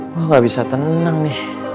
wah gak bisa tenang nih